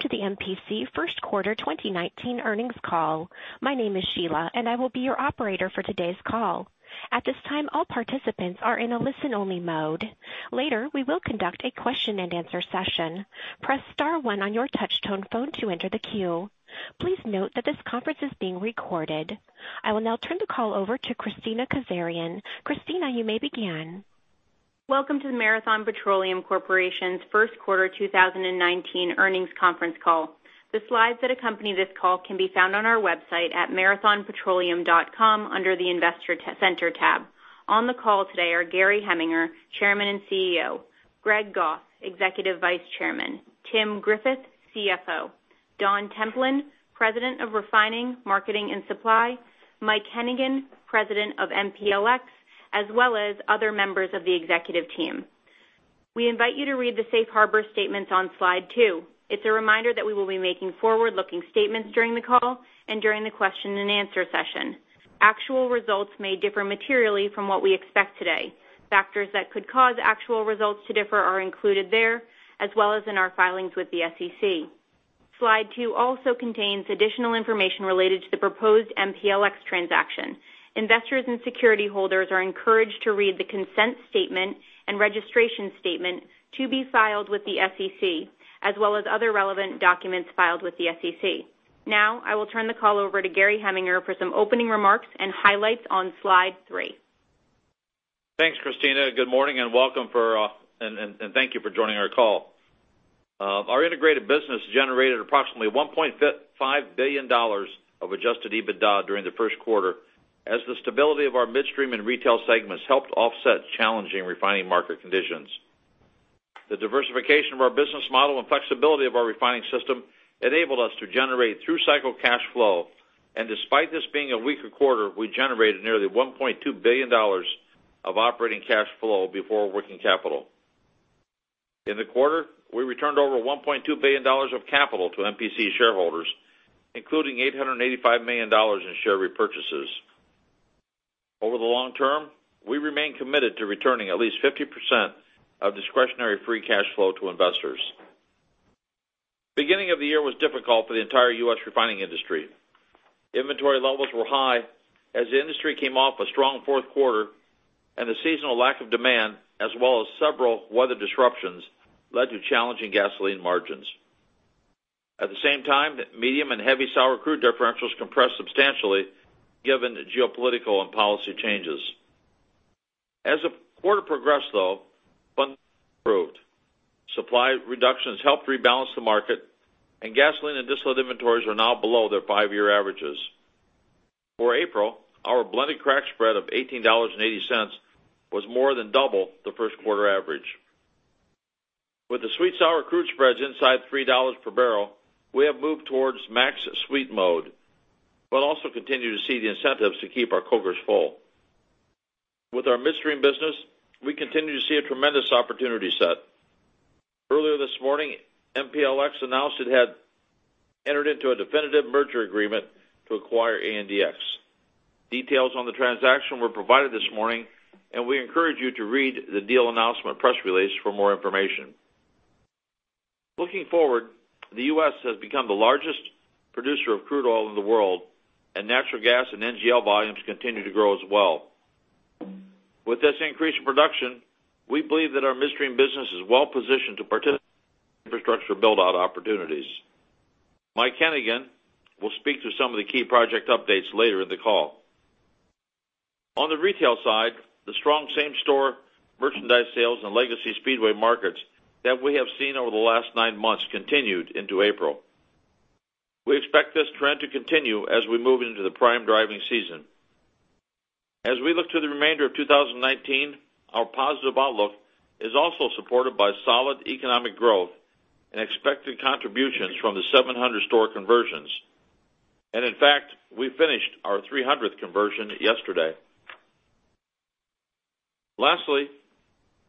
To the MPC first quarter 2019 earnings call. My name is Sheila, and I will be your operator for today's call. At this time, all participants are in a listen only mode. Later, we will conduct a question and answer session. Press star one on your touchtone phone to enter the queue. Please note that this conference is being recorded. I will now turn the call over to Kristina Kazarian. Kristina, you may begin. Welcome to the Marathon Petroleum Corporation's first quarter 2019 earnings conference call. The slides that accompany this call can be found on our website at marathonpetroleum.com under the investor center tab. On the call today are Gary Heminger, Chairman and CEO, Greg Goff, Executive Vice Chairman, Tim Griffith, CFO, Don Templin, President of Refining, Marketing and Supply, Mike Hennigan, President of MPLX, as well as other members of the executive team. We invite you to read the safe harbor statements on slide two. It's a reminder that we will be making forward-looking statements during the call and during the question and answer session. Actual results may differ materially from what we expect today. Factors that could cause actual results to differ are included there, as well as in our filings with the SEC. Slide two also contains additional information related to the proposed MPLX transaction. Investors and security holders are encouraged to read the consent statement and registration statement to be filed with the SEC, as well as other relevant documents filed with the SEC. Now, I will turn the call over to Gary Heminger for some opening remarks and highlights on slide three. Thanks, Kristina. Good morning and welcome, and thank you for joining our call. Our integrated business generated approximately $1.5 billion of adjusted EBITDA during the first quarter, as the stability of our midstream and retail segments helped offset challenging refining market conditions. The diversification of our business model and flexibility of our refining system enabled us to generate through cycle cash flow. Despite this being a weaker quarter, we generated nearly $1.2 billion of operating cash flow before working capital. In the quarter, we returned over $1.2 billion of capital to MPC shareholders, including $885 million in share repurchases. Over the long term, we remain committed to returning at least 50% of discretionary free cash flow to investors. Beginning of the year was difficult for the entire U.S. refining industry. Inventory levels were high as the industry came off a strong fourth quarter, the seasonal lack of demand, as well as several weather disruptions, led to challenging gasoline margins. At the same time, medium and heavy sour crude differentials compressed substantially, given geopolitical and policy changes. As the quarter progressed, though, supply reductions helped rebalance the market, and gasoline and distillate inventories are now below their five-year averages. For April, our blended crack spread of $18.80 was more than double the first quarter average. With the sweet sour crude spreads inside $3 per barrel, we have moved towards max sweet mode. We'll also continue to see the incentives to keep our cokers full. With our midstream business, we continue to see a tremendous opportunity set. Earlier this morning, MPLX announced it had entered into a definitive merger agreement to acquire ANDX. Details on the transaction were provided this morning, we encourage you to read the deal announcement press release for more information. Looking forward, the U.S. has become the largest producer of crude oil in the world, natural gas and NGL volumes continue to grow as well. With this increase in production, we believe that our midstream business is well positioned to participate infrastructure build-out opportunities. Mike Hennigan will speak to some of the key project updates later in the call. On the retail side, the strong same-store merchandise sales and legacy Speedway markets that we have seen over the last nine months continued into April. We expect this trend to continue as we move into the prime driving season. As we look to the remainder of 2019, our positive outlook is also supported by solid economic growth and expected contributions from the 700 store conversions. In fact, we finished our 300th conversion yesterday. Lastly,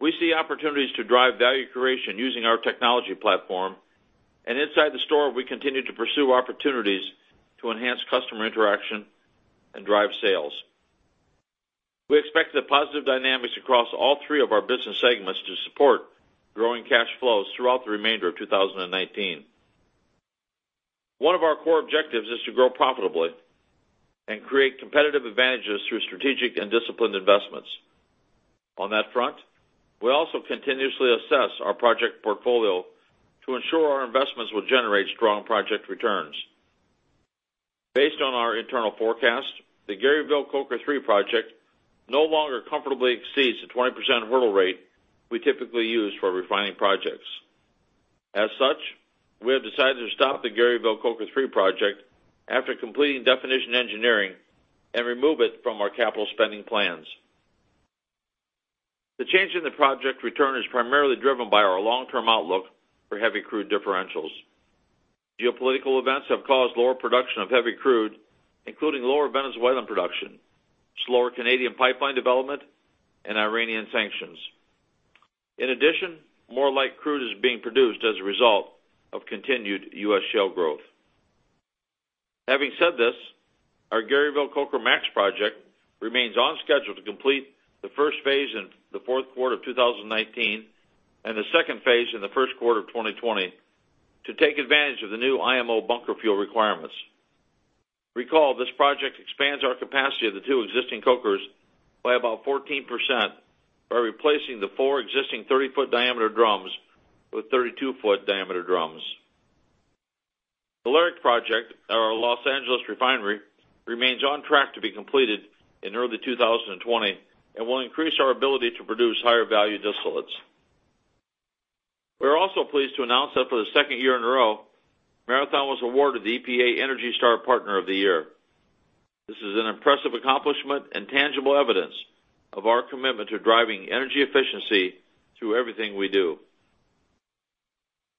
we see opportunities to drive value creation using our technology platform, and inside the store, we continue to pursue opportunities to enhance customer interaction and drive sales. We expect the positive dynamics across all three of our business segments to support growing cash flows throughout the remainder of 2019. One of our core objectives is to grow profitably and create competitive advantages through strategic and disciplined investments. On that front, we also continuously assess our project portfolio to ensure our investments will generate strong project returns. Based on our internal forecast, the Garyville Coker 3 project no longer comfortably exceeds the 20% hurdle rate we typically use for refining projects. As such, we have decided to stop the Garyville Coker 3 project after completing definition engineering and remove it from our capital spending plans. The change in the project return is primarily driven by our long-term outlook for heavy crude differentials. Geopolitical events have caused lower production of heavy crude, including lower Venezuelan production, slower Canadian pipeline development, and Iranian sanctions. In addition, more light crude is being produced as a result of continued U.S. shale growth. Having said this, our Garyville Coker MAX project remains on schedule to complete the first phase in the fourth quarter of 2019 and the second phase in the first quarter of 2020 to take advantage of the new IMO bunker fuel requirements. Recall, this project expands our capacity of the two existing cokers by about 14% by replacing the four existing 30-foot diameter drums with 32-foot diameter drums. The LARIC project at our Los Angeles refinery remains on track to be completed in early 2020 and will increase our ability to produce higher value distillates. We are also pleased to announce that for the second year in a row, Marathon was awarded the EPA ENERGY STAR Partner of the Year. This is an impressive accomplishment and tangible evidence of our commitment to driving energy efficiency through everything we do.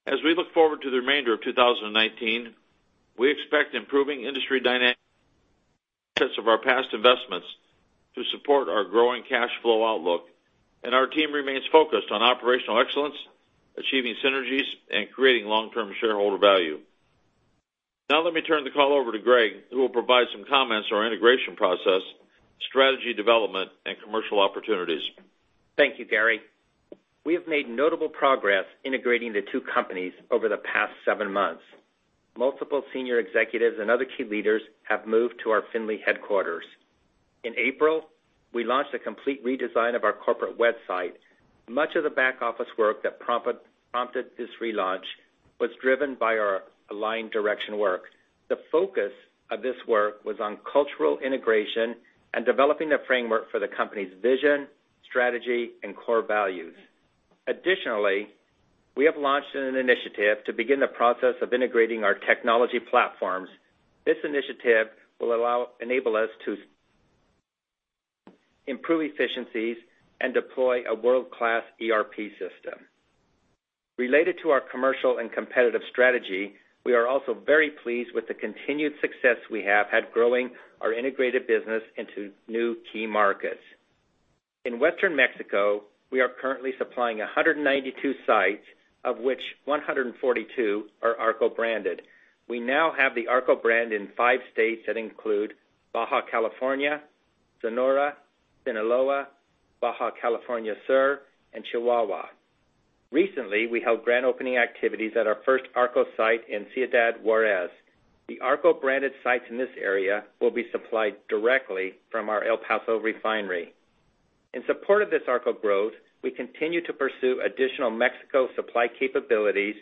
As we look forward to the remainder of 2019, we expect improving industry dynamics of our past investments to support our growing cash flow outlook. Our team remains focused on operational excellence, achieving synergies, and creating long-term shareholder value. Now let me turn the call over to Greg, who will provide some comments on our integration process, strategy development, and commercial opportunities. Thank you, Gary. We have made notable progress integrating the two companies over the past seven months. Multiple senior executives and other key leaders have moved to our Findlay headquarters. In April, we launched a complete redesign of our corporate website. Much of the back-office work that prompted this relaunch was driven by our align direction work. The focus of this work was on cultural integration and developing the framework for the company's vision, strategy, and core values. Additionally, we have launched an initiative to begin the process of integrating our technology platforms. This initiative will enable us to improve efficiencies and deploy a world-class ERP system. Related to our commercial and competitive strategy, we are also very pleased with the continued success we have had growing our integrated business into new key markets. In Western Mexico, we are currently supplying 192 sites, of which 142 are ARCO branded. We now have the ARCO brand in five states that include Baja California, Sonora, Sinaloa, Baja California Sur, and Chihuahua. Recently, we held grand opening activities at our first ARCO site in Ciudad Juárez. The ARCO branded sites in this area will be supplied directly from our El Paso refinery. In support of this ARCO growth, we continue to pursue additional Mexico supply capabilities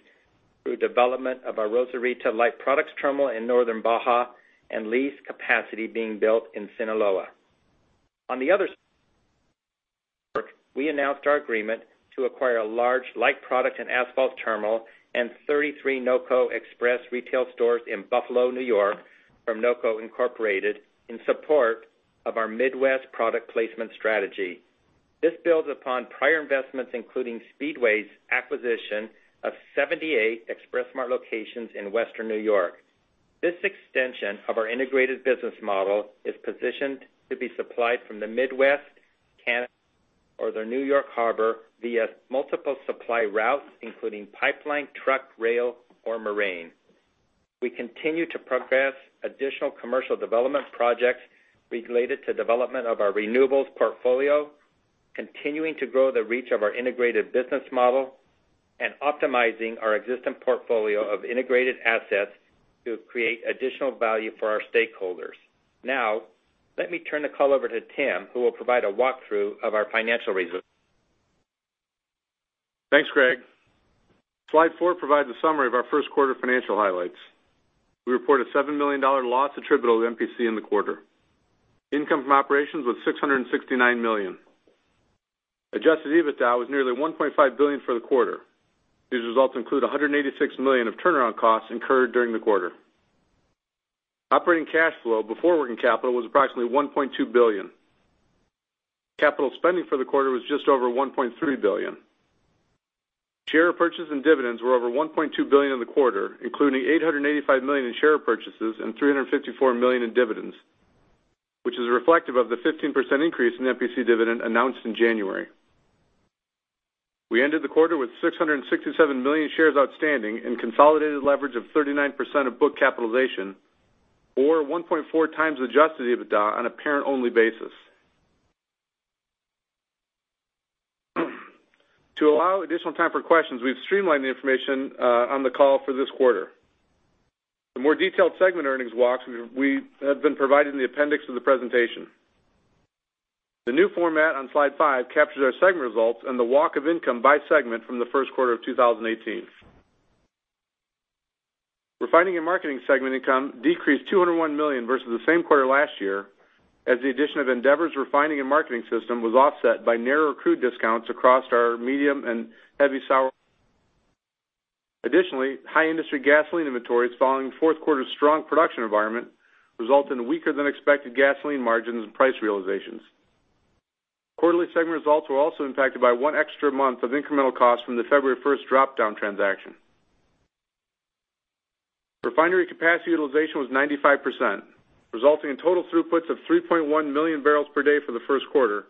through development of our Rosarito light products terminal in northern Baja and lease capacity being built in Sinaloa. On the other side we announced our agreement to acquire a large light product and asphalt terminal and 33 NOCO Express retail stores in Buffalo, New York from NOCO Incorporated in support of our Midwest product placement strategy. This builds upon prior investments, including Speedway's acquisition of 78 Express Mart locations in Western New York. This extension of our integrated business model is positioned to be supplied from the Midwest, Canada, or the New York Harbor via multiple supply routes, including pipeline, truck, rail, or marine. We continue to progress additional commercial development projects related to development of our renewables portfolio, continuing to grow the reach of our integrated business model, and optimizing our existing portfolio of integrated assets to create additional value for our stakeholders. Now, let me turn the call over to Tim, who will provide a walkthrough of our financial results. Thanks, Greg. Slide four provides a summary of our first quarter financial highlights. We reported a $7 million loss attributable to MPC in the quarter. Income from operations was $669 million. Adjusted EBITDA was nearly $1.5 billion for the quarter. These results include $186 million of turnaround costs incurred during the quarter. Operating cash flow before working capital was approximately $1.2 billion. Capital spending for the quarter was just over $1.3 billion. Share purchase and dividends were over $1.2 billion in the quarter, including $885 million in share purchases and $354 million in dividends, which is reflective of the 15% increase in MPC dividend announced in January. We ended the quarter with 667 million shares outstanding and consolidated leverage of 39% of book capitalization, or 1.4x adjusted EBITDA on a parent only basis. To allow additional time for questions, we've streamlined the information on the call for this quarter. The more detailed segment earnings walks have been provided in the appendix of the presentation. The new format on slide five captures our segment results and the walk of income by segment from the first quarter of 2018. Refining and marketing segment income decreased $201 million versus the same quarter last year, as the addition of Andeavor's refining and marketing system was offset by narrower crude discounts across our medium and heavy sour. High industry gasoline inventories following the fourth quarter's strong production environment result in weaker than expected gasoline margins and price realizations. Quarterly segment results were also impacted by one extra month of incremental costs from the February 1st drop-down transaction. Refinery capacity utilization was 95%, resulting in total throughputs of 3.1 million barrels per day for the first quarter,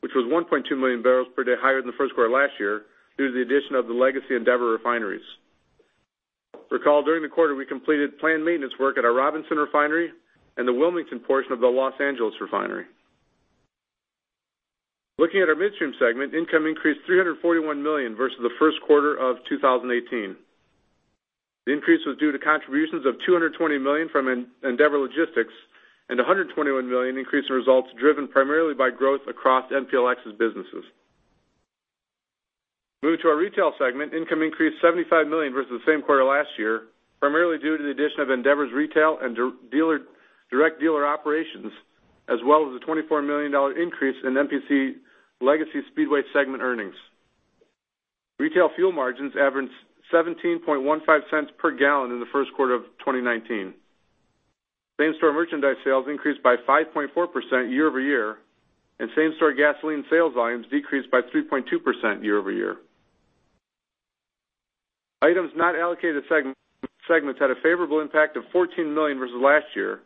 which was 1.2 million barrels per day higher than the first quarter last year due to the addition of the Legacy Andeavor refineries. Recall, during the quarter, we completed planned maintenance work at our Robinson refinery and the Wilmington portion of the Los Angeles refinery. Looking at our midstream segment, income increased $341 million versus the first quarter of 2018. The increase was due to contributions of $220 million from Andeavor Logistics and $121 million increase in results driven primarily by growth across MPLX's businesses. Moving to our retail segment, income increased $75 million versus the same quarter last year, primarily due to the addition of Andeavor's retail and direct dealer operations, as well as the $24 million increase in MPC Legacy Speedway segment earnings. Retail fuel margins averaged $0.1715 per gallon in the first quarter of 2019. Same-store merchandise sales increased by 5.4% year-over-year, same-store gasoline sales volumes decreased by 3.2% year-over-year. Items not allocated to segments had a favorable impact of $14 million versus last year,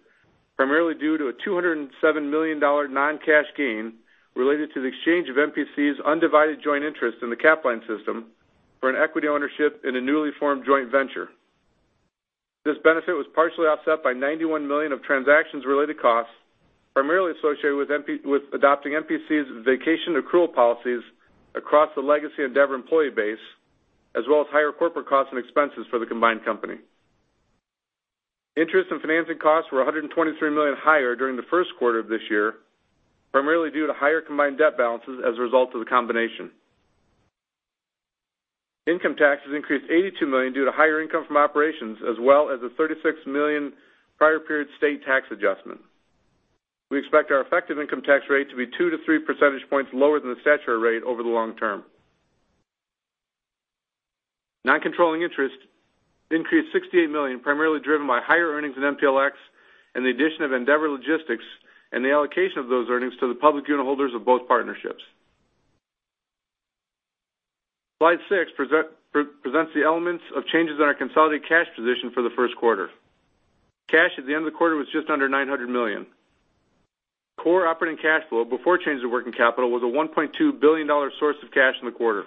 primarily due to a $207 million non-cash gain related to the exchange of MPC's undivided joint interest in the Capline system for an equity ownership in a newly formed joint venture. This benefit was partially offset by $91 million of transactions-related costs, primarily associated with adopting MPC's vacation accrual policies across the Legacy Andeavor employee base, as well as higher corporate costs and expenses for the combined company. Interest and financing costs were $123 million higher during the first quarter of this year, primarily due to higher combined debt balances as a result of the combination. Income taxes increased $82 million due to higher income from operations, as well as a $36 million prior period state tax adjustment. We expect our effective income tax rate to be two to three percentage points lower than the statutory rate over the long term. Non-controlling interest increased $68 million, primarily driven by higher earnings in MPLX and the addition of Andeavor Logistics and the allocation of those earnings to the public unitholders of both partnerships. Slide six presents the elements of changes in our consolidated cash position for the first quarter. Cash at the end of the quarter was just under $900 million. Core operating cash flow before change of working capital was a $1.2 billion source of cash in the quarter.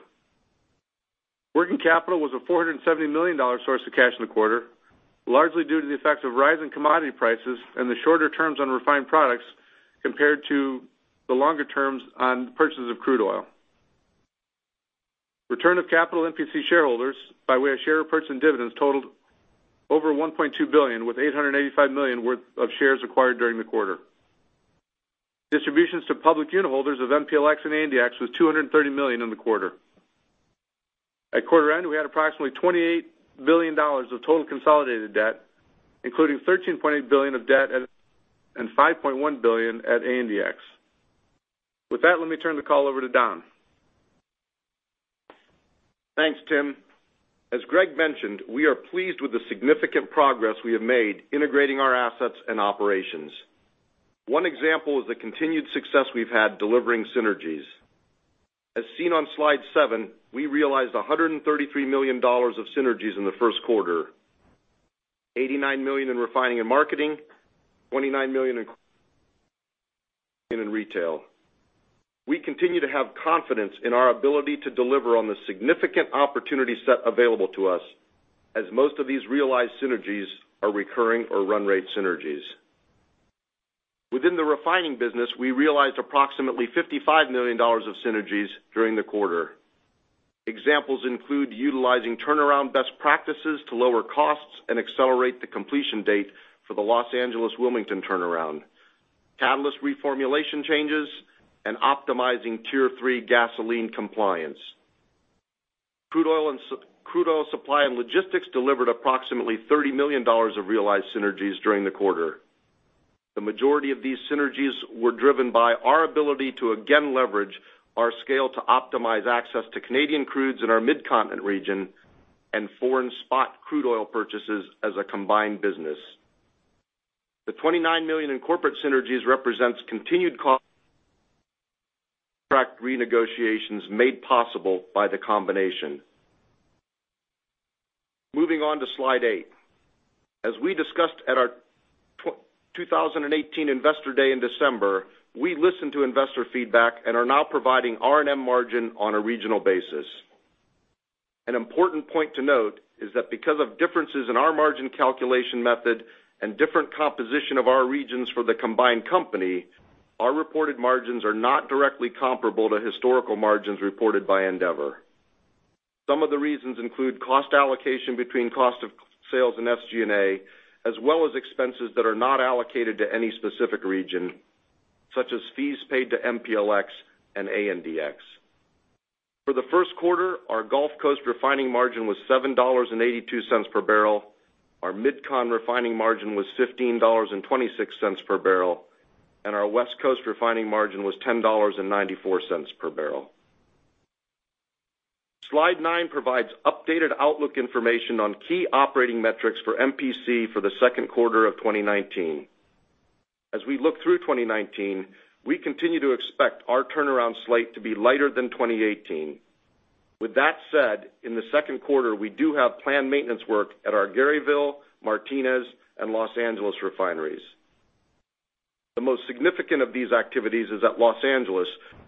Working capital was a $470 million source of cash in the quarter, largely due to the effect of rising commodity prices and the shorter terms on refined products compared to the longer terms on purchases of crude oil. Return of capital MPC shareholders by way of share repurchase and dividends totaled over $1.2 billion, with $885 million worth of shares acquired during the quarter. Distributions to public unitholders of MPLX and ANDX was $230 million in the quarter. At quarter end, we had approximately $28 billion of total consolidated debt, including $13.8 billion of debt and $5.1 billion at ANDX. With that, let me turn the call over to Don. Thanks, Tim. As Greg mentioned, we are pleased with the significant progress we have made integrating our assets and operations. One example is the continued success we've had delivering synergies. As seen on slide seven, we realized $133 million of synergies in the first quarter, $89 million in refining and marketing, $29 million in retail. We continue to have confidence in our ability to deliver on the significant opportunity set available to us, as most of these realized synergies are recurring or run rate synergies. Within the refining business, we realized approximately $55 million of synergies during the quarter. Examples include utilizing turnaround best practices to lower costs and accelerate the completion date for the Los Angeles Wilmington turnaround, catalyst reformulation changes, and optimizing Tier 3 gasoline compliance. Crude oil supply and logistics delivered approximately $30 million of realized synergies during the quarter. The majority of these synergies were driven by our ability to again leverage our scale to optimize access to Canadian crudes in our Midcontinent region and foreign spot crude oil purchases as a combined business. The $29 million in corporate synergies represents continued cost contract renegotiations made possible by the combination. Moving on to slide eight. As we discussed at our 2018 Investor Day in December, we listened to investor feedback and are now providing R&M margin on a regional basis. An important point to note is that because of differences in our margin calculation method and different composition of our regions for the combined company, our reported margins are not directly comparable to historical margins reported by Andeavor. Some of the reasons include cost allocation between cost of sales and SG&A, as well as expenses that are not allocated to any specific region, such as fees paid to MPLX and ANDX. For the first quarter, our Gulf Coast refining margin was $7.82 per barrel, our MidCon refining margin was $15.26 per barrel, and our West Coast refining margin was $10.94 per barrel. Slide nine provides updated outlook information on key operating metrics for MPC for the second quarter of 2019. As we look through 2019, we continue to expect our turnaround slate to be lighter than 2018. With that said, in the second quarter, we do have planned maintenance work at our Garyville, Martinez, and Los Angeles refineries. The most significant of these activities is at Los Angeles,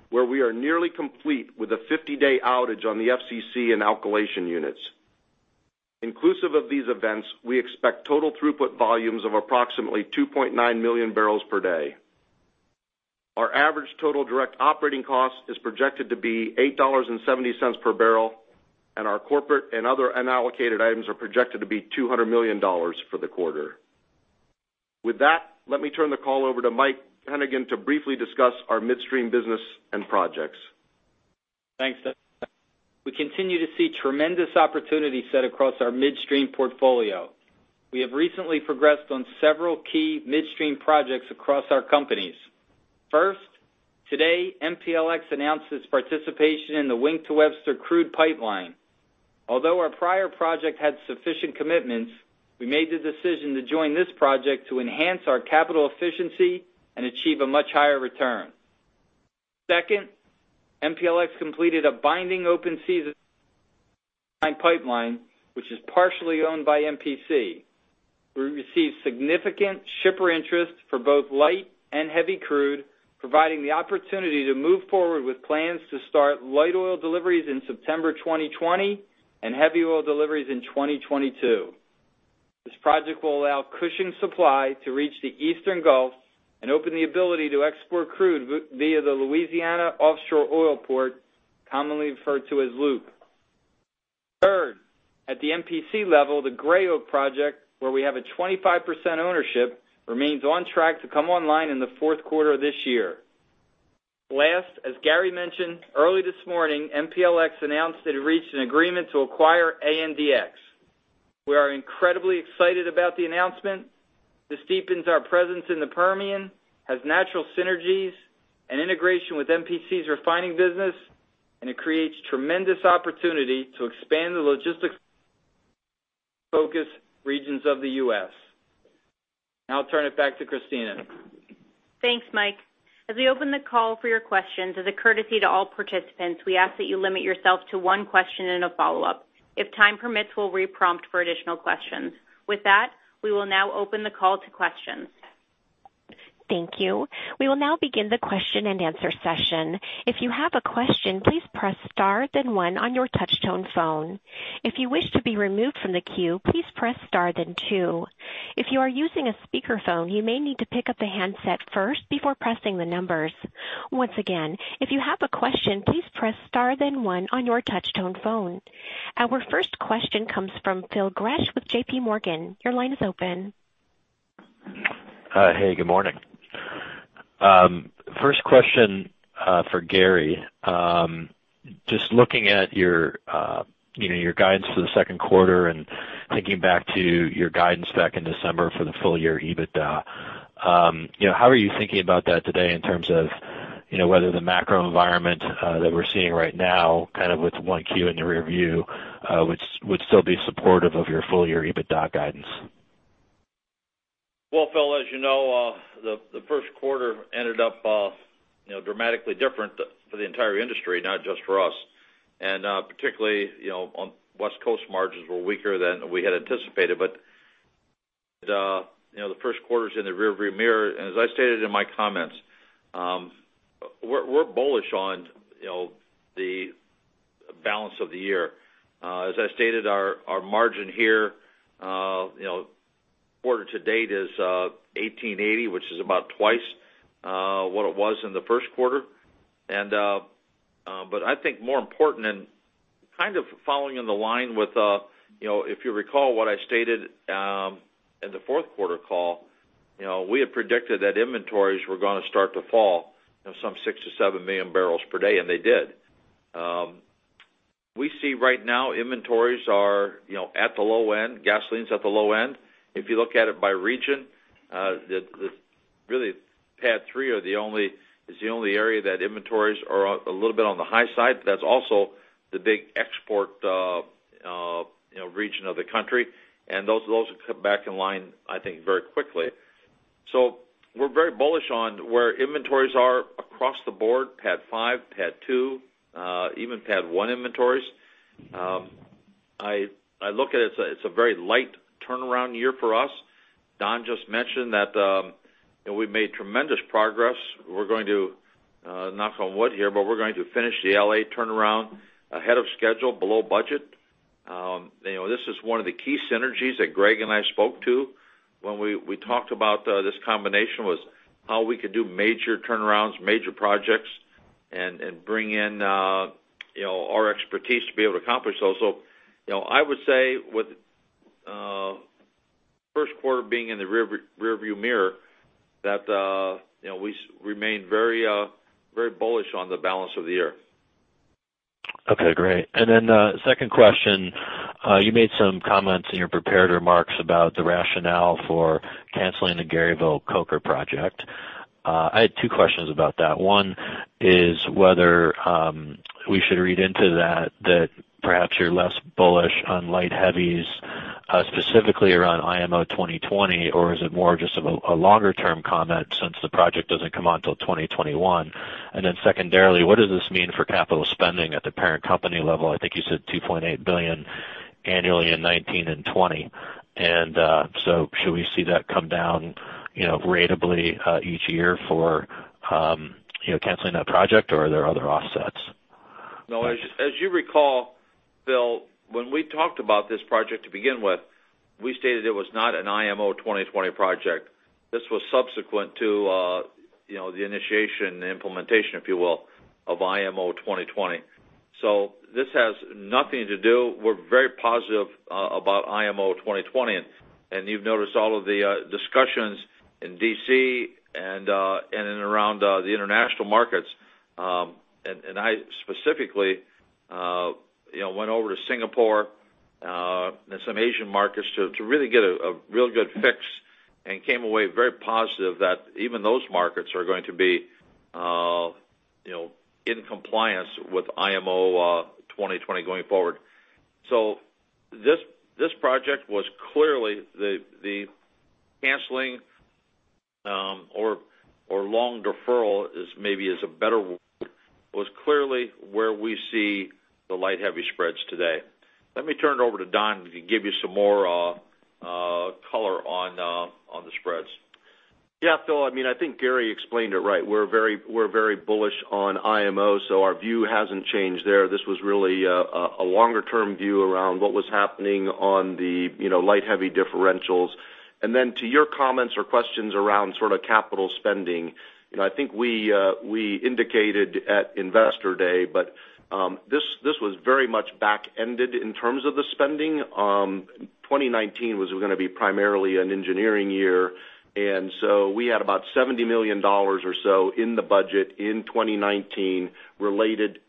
where we are nearly complete with a 50-day outage on the FCC and alkylation units. Inclusive of these events, we expect total throughput volumes of approximately 2.9 million barrels per day. Our average total direct operating cost is projected to be $8.70 per barrel, and our corporate and other unallocated items are projected to be $200 million for the quarter. With that, let me turn the call over to Mike Hennigan to briefly discuss our midstream business and projects. Thanks, Don. We continue to see tremendous opportunities set across our midstream portfolio. We have recently progressed on several key midstream projects across our companies. First, today, MPLX announced its participation in the Wink to Webster crude pipeline. Although our prior project had sufficient commitments, we made the decision to join this project to enhance our capital efficiency and achieve a much higher return. Second, MPLX completed a binding open season pipeline, which is partially owned by MPC. We received significant shipper interest for both light and heavy crude, providing the opportunity to move forward with plans to start light oil deliveries in September 2020 and heavy oil deliveries in 2022. This project will allow Cushing supply to reach the eastern Gulf and open the ability to export crude via the Louisiana Offshore Oil Port, commonly referred to as LOOP. Third, at the MPC level, the Gray Oak project, where we have a 25% ownership, remains on track to come online in the fourth quarter of this year. Last, as Gary mentioned, early this morning, MPLX announced that it reached an agreement to acquire ANDX. We are incredibly excited about the announcement. This deepens our presence in the Permian, has natural synergies and integration with MPC's refining business, and it creates tremendous opportunity to expand the logistics focus regions of the U.S. Now I'll turn it back to Kristina. Thanks, Mike. As we open the call for your questions, as a courtesy to all participants, we ask that you limit yourself to one question and a follow-up. If time permits, we'll re-prompt for additional questions. With that, we will now open the call to questions. Thank you. We will now begin the question and answer session. If you have a question, please press star then one on your touch-tone phone. If you wish to be removed from the queue, please press star then two. If you are using a speakerphone, you may need to pick up the handset first before pressing the numbers. Once again, if you have a question, please press star then one on your touch-tone phone. Our first question comes from Phil Gresh with JPMorgan. Your line is open. Hi. Hey, good morning. First question for Gary. Just looking at your guidance for the second quarter and thinking back to your guidance back in December for the full-year EBITDA, how are you thinking about that today in terms of whether the macro environment that we're seeing right now, with one Q in the rear view, would still be supportive of your full-year EBITDA guidance? Well, Phil, as you know, the first quarter ended up dramatically different for the entire industry, not just for us. Particularly, West Coast margins were weaker than we had anticipated. The first quarter's in the rear view mirror, and as I stated in my comments, we're bullish on the balance of the year. As I stated, our margin here quarter to date is $18.80, which is about twice what it was in the first quarter. I think more important and kind of following in the line with, if you recall, what I stated in the fourth quarter call, we had predicted that inventories were going to start to fall some 6 million-7 million barrels per day, and they did. We see right now inventories are at the low end, gasoline's at the low end. PADD 3 is the only area that inventories are a little bit on the high side. That's also the big export region of the country, and those will come back in line, I think, very quickly. We're very bullish on where inventories are across the board, PADD 5, PADD 2, even PADD 1 inventories. I look at it's a very light turnaround year for us. Don just mentioned that we've made tremendous progress. We're going to, knock on wood here, but we're going to finish the L.A. turnaround ahead of schedule, below budget. This is one of the key synergies that Greg and I spoke to when we talked about this combination was how we could do major turnarounds, major projects, and bring in our expertise to be able to accomplish those. Okay, great. I would say with first quarter being in the rear view mirror, that we remain very bullish on the balance of the year. Okay, great. Second question, you made some comments in your prepared remarks about the rationale for canceling the Garyville Coker project. I had two questions about that. One is whether we should read into that perhaps you're less bullish on light heavies specifically around IMO 2020, or is it more just of a longer-term comment since the project doesn't come out until 2021? Secondarily, what does this mean for capital spending at the parent company level? I think you said $2.8 billion annually in 2019 and 2020. Should we see that come down ratably each year for canceling that project, or are there other offsets? No. As you recall, Phil, when we talked about this project to begin with, we stated it was not an IMO 2020 project. This was subsequent to the initiation and implementation, if you will, of IMO 2020. This has nothing to do. We're very positive about IMO 2020. You've noticed all of the discussions in D.C. and in and around the international markets. I specifically went over to Singapore and some Asian markets to really get a real good fix and came away very positive that even those markets are going to be in compliance with IMO 2020 going forward. This project was clearly the canceling or long deferral, maybe is a better word, was clearly where we see the light heavy spreads today. Let me turn it over to Don to give you some more color on the spreads. Yeah. Phil, I think Gary explained it right. We're very bullish on IMO, our view hasn't changed there. This was really a longer-term view around what was happening on the light heavy differentials. To your comments or questions around capital spending, I think we indicated at Investor Day, this was very much back-ended in terms of the spending. 2019 was going to be primarily an engineering year, we had about $70 million or so in the budget in 2019 related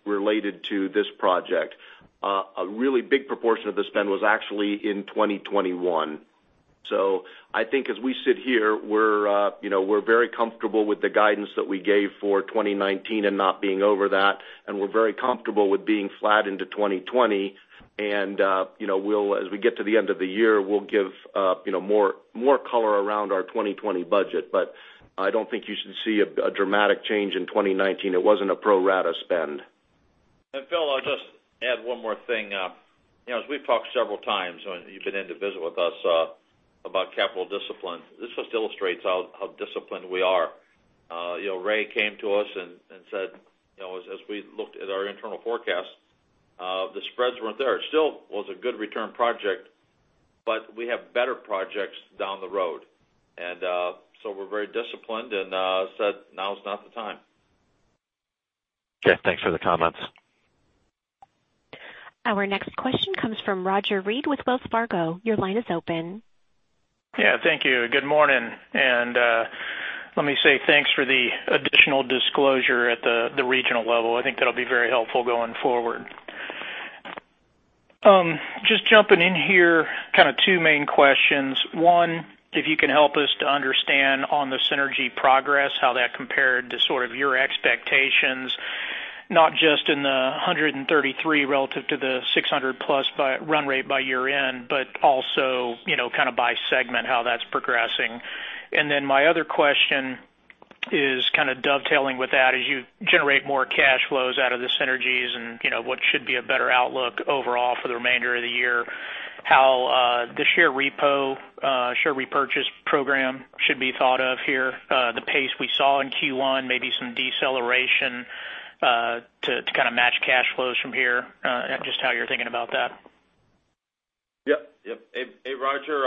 to this project. A really big proportion of the spend was actually in 2021. I think as we sit here, we're very comfortable with the guidance that we gave for 2019 and not being over that. We're very comfortable with being flat into 2020. As we get to the end of the year, we'll give more color around our 2020 budget. I don't think you should see a dramatic change in 2019. It wasn't a pro rata spend. Phil, I'll just add one more thing. As we've talked several times, you've been in to visit with us about capital discipline. This just illustrates how disciplined we are. Ray came to us and said, as we looked at our internal forecast, the spreads weren't there. It still was a good return project, we have better projects down the road. We're very disciplined and said, now is not the time. Okay. Thanks for the comments. Our next question comes from Roger Read with Wells Fargo. Your line is open. Yeah, thank you. Good morning. Let me say thanks for the additional disclosure at the regional level. I think that'll be very helpful going forward. Just jumping in here, kind of two main questions. One, if you can help us to understand on the synergy progress, how that compared to sort of your expectations, not just in the 133 relative to the 600 plus run rate by year-end, but also kind of by segment, how that's progressing. My other question is kind of dovetailing with that. As you generate more cash flows out of the synergies and what should be a better outlook overall for the remainder of the year, how the share repo, share repurchase program should be thought of here, the pace we saw in Q1, maybe some deceleration to kind of match cash flows from here and just how you're thinking about that. Yep. Hey, Roger.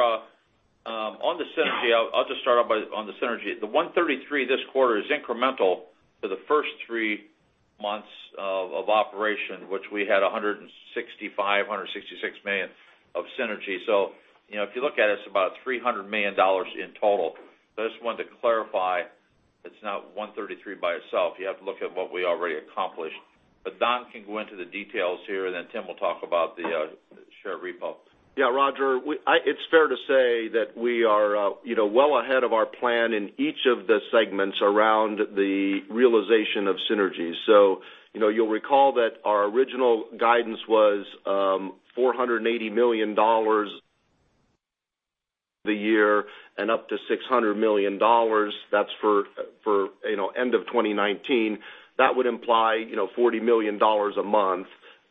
On the synergy, I'll just start off on the synergy. The 133 this quarter is incremental to the first three months of operation, which we had $165 million, $166 million of synergy. If you look at it's about $300 million in total. I just wanted to clarify, it's not 133 by itself. You have to look at what we already accomplished. Don can go into the details here, and Tim will talk about the share repo. Yeah. Roger, it's fair to say that we are well ahead of our plan in each of the segments around the realization of synergies. You'll recall that our original guidance was $480 million the year and up to $600 million. That's for end of 2019. That would imply $40 million a month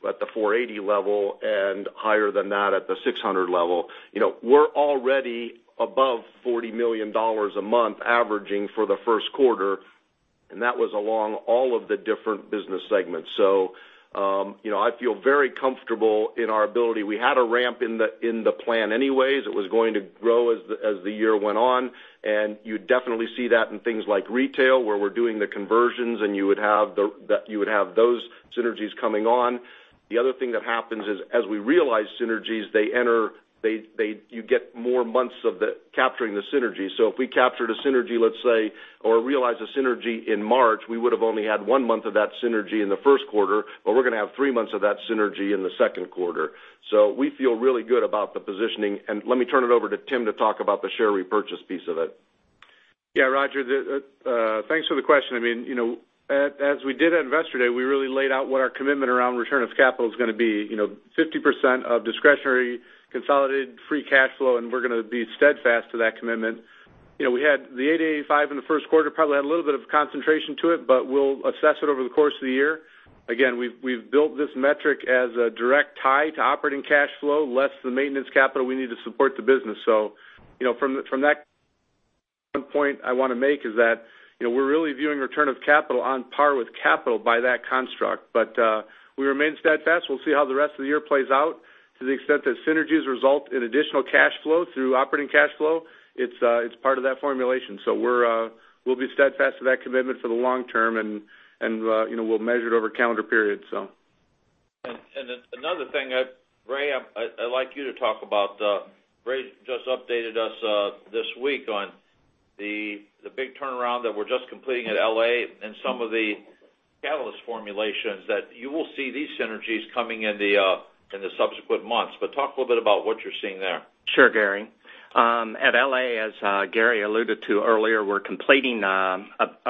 at the 480 level and higher than that at the 600 level. We're already above $40 million a month averaging for the first quarter, and that was along all of the different business segments. I feel very comfortable in our ability. We had a ramp in the plan anyways. It was going to grow as the year went on, and you definitely see that in things like retail, where we're doing the conversions, and you would have those synergies coming on. The other thing that happens is, as we realize synergies, you get more months of capturing the synergy. If we captured a synergy, let's say, or realized a synergy in March, we would've only had one month of that synergy in the first quarter, but we're going to have three months of that synergy in the second quarter. We feel really good about the positioning. Let me turn it over to Tim to talk about the share repurchase piece of it. Yeah, Roger, thanks for the question. As we did at Investor Day, we really laid out what our commitment around return of capital is going to be. 50% of discretionary consolidated free cash flow, and we're going to be steadfast to that commitment. We had the $885 in the first quarter, probably had a little bit of concentration to it, but we'll assess it over the course of the year. Again, we've built this metric as a direct tie to operating cash flow, less the maintenance capital we need to support the business. From that point I want to make is that, we're really viewing return of capital on par with capital by that construct. We remain steadfast. We'll see how the rest of the year plays out to the extent that synergies result in additional cash flow through operating cash flow, it's part of that formulation. We'll be steadfast to that commitment for the long term and we'll measure it over calendar periods. Another thing, Ray, I'd like you to talk about. Ray just updated us this week on the big turnaround that we're just completing at L.A. and some of the catalyst formulations that you will see these synergies coming in the subsequent months. Talk a little bit about what you're seeing there. Sure, Gary. At L.A., as Gary alluded to earlier, we're completing a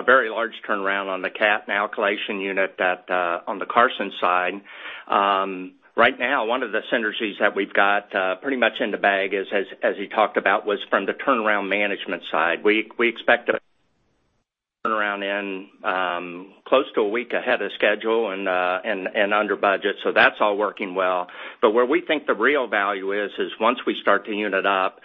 very large turnaround on the cat and alkylation unit on the Carson side. One of the synergies that we've got pretty much in the bag, as he talked about, was from the turnaround management side. We expect a turnaround in close to a week ahead of schedule and under budget. That's all working well. Where we think the real value is once we start the unit up,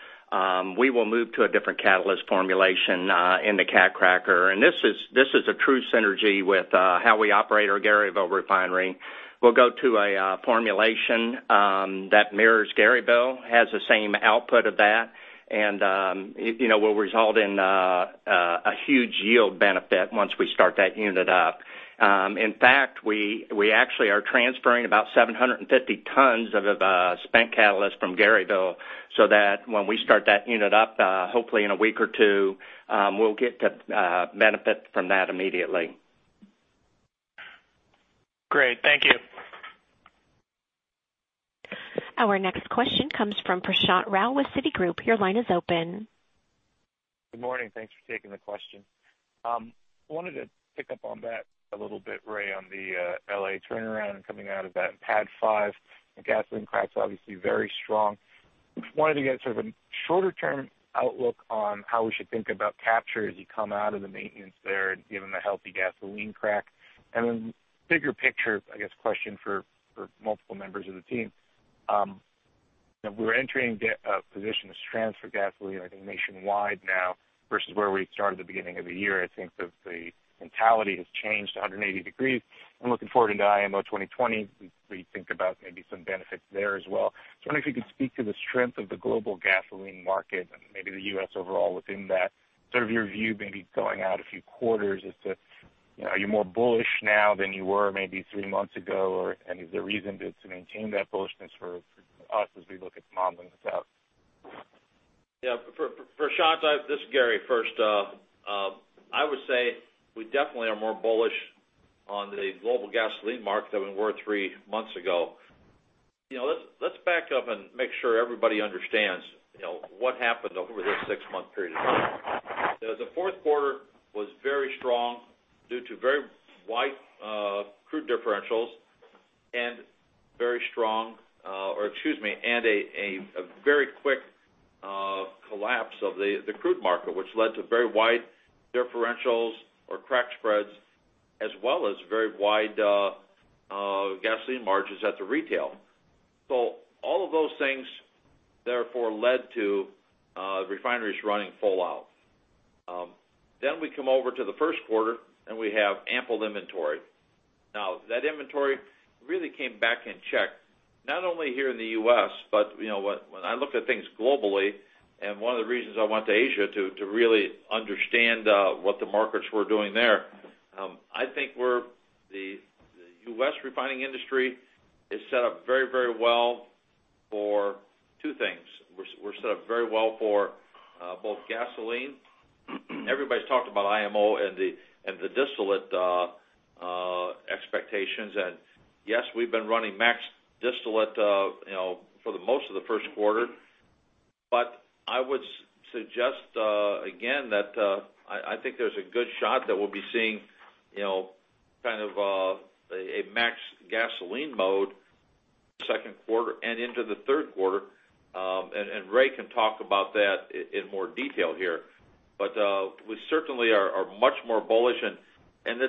we will move to a different catalyst formulation, in the cat cracker. This is a true synergy with how we operate our Garyville refinery. We'll go to a formulation that mirrors Garyville, has the same output of that, and will result in a huge yield benefit once we start that unit up. In fact, we actually are transferring about 750 tons of spent catalyst from Garyville so that when we start that unit up, hopefully in a week or two, we'll get to benefit from that immediately. Great. Thank you. Our next question comes from Prashant Rao with Citigroup. Your line is open. Good morning. Thanks for taking the question. I wanted to pick up on that a little bit, Ray, on the L.A. turnaround and coming out of that PADD 5 and gasoline crack's obviously very strong. Just wanted to get sort of a shorter term outlook on how we should think about capture as you come out of the maintenance there and given the healthy gasoline crack. Bigger picture, I guess, question for multiple members of the team. We're entering a position of strength for gasoline, I think nationwide now versus where we started at the beginning of the year. I think that the mentality has changed 180 degrees. I'm looking forward into IMO 2020 as we think about maybe some benefits there as well. I wonder if you could speak to the strength of the global gasoline market and maybe the U.S. overall within that. Sort of your view maybe going out a few quarters as to, are you more bullish now than you were maybe three months ago? Any of the reasons to maintain that bullishness for us as we look at modeling this out? Yeah. Prashant, this is Gary first. I would say we definitely are more bullish on the global gasoline market than we were three months ago. Let's back up and make sure everybody understands what happened over this six-month period of time. The fourth quarter was very strong due to very wide crude differentials and very strong excuse me, and a very quick collapse of the crude market, which led to very wide differentials or crack spreads, as well as very wide gasoline margins at the retail. All of those things therefore led to refineries running full out. We come over to the first quarter, and we have ample inventory. Now, that inventory really came back in check, not only here in the U.S., but when I look at things globally, and one of the reasons I went to Asia to really understand what the markets were doing there. I think the U.S. refining industry is set up very well for two things. We're set up very well for both gasoline. Everybody's talked about IMO and the distillate expectations. Yes, we've been running max distillate for the most of the first quarter. I would suggest, again, that I think there's a good shot that we'll be seeing a max gasoline mode second quarter and into the third quarter. Ray can talk about that in more detail here. We certainly are much more bullish, and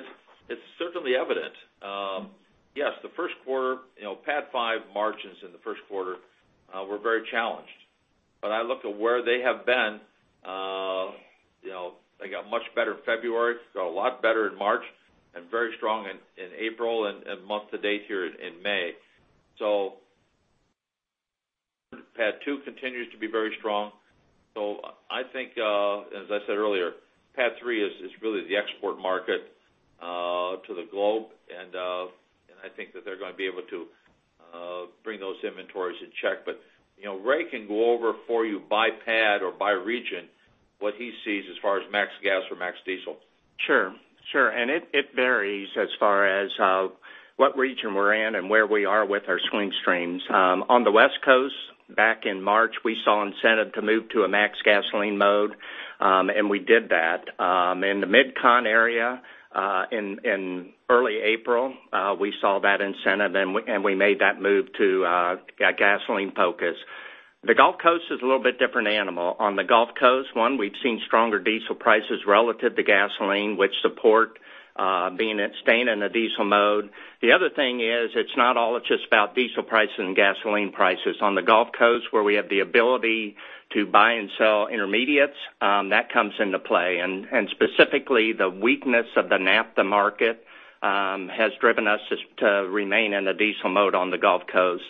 it's certainly evident. Yes, the first quarter, PADD 5 margins in the first quarter were very challenged. I look at where they have been. They got much better in February, got a lot better in March, and very strong in April and month to date here in May. PAD 2 continues to be very strong. I think, as I said earlier, PAD 3 is really the export market to the globe, and I think that they're going to be able to bring those inventories in check. Ray can go over for you by PAD or by region what he sees as far as max gas or max diesel. Sure. It varies as far as what region we're in and where we are with our swing streams. On the West Coast, back in March, we saw incentive to move to a max gasoline mode, and we did that. In the MidCon area, in early April, we saw that incentive and we made that move to a gasoline focus. The Gulf Coast is a little bit different animal. On the Gulf Coast, one, we've seen stronger diesel prices relative to gasoline, which support staying in a diesel mode. The other thing is, it's not all just about diesel prices and gasoline prices. On the Gulf Coast, where we have the ability to buy and sell intermediates, that comes into play. Specifically, the weakness of the naphtha market has driven us to remain in the diesel mode on the Gulf Coast.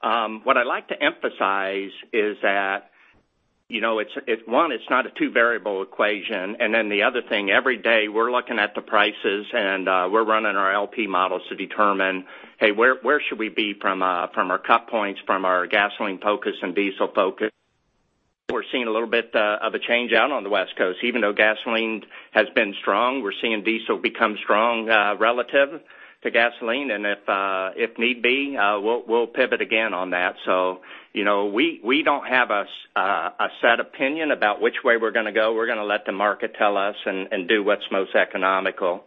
What I'd like to emphasize is that, one, it's not a two-variable equation. Then the other thing, every day, we're looking at the prices and we're running our LP models to determine, "Hey, where should we be from our cut points, from our gasoline focus and diesel focus?" We're seeing a little bit of a change out on the West Coast. Even though gasoline has been strong, we're seeing diesel become strong relative to gasoline. If need be, we'll pivot again on that. We don't have a set opinion about which way we're going to go. We're going to let the market tell us and do what's most economical.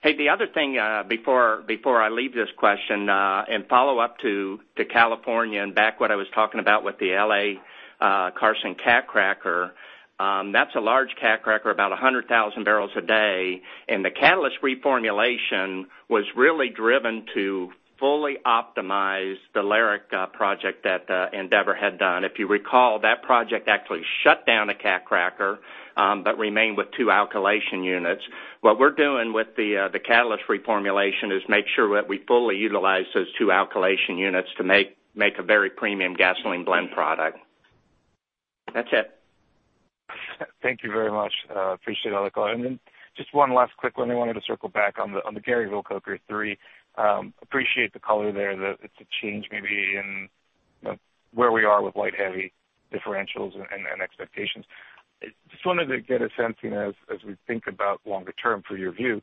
Hey, the other thing, before I leave this question, in follow-up to California and back what I was talking about with the L.A. Carson cat cracker. That's a large cat cracker, about 100,000 barrels a day. The catalyst reformulation was really driven to fully optimize the LARIC project that Andeavor had done. If you recall, that project actually shut down a cat cracker, but remained with two alkylation units. What we're doing with the catalyst reformulation is make sure that we fully utilize those two alkylation units to make a very premium gasoline blend product. That's it. Thank you very much. Appreciate all the color. Just one last quick one. I wanted to circle back on the Garyville Coker project. Appreciate the color there, that it's a change maybe in where we are with light, heavy differentials and expectations. Just wanted to get a sense, as we think about longer term for your view,